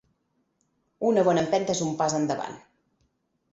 Una bona empenta és un pas endavant.